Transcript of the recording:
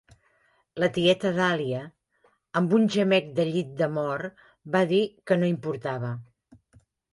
La tieta Dahlia, amb un gemec de llit de mort, va dir que no importava.